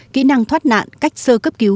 kỹ năng thoát nạn cách sơ cấp cứu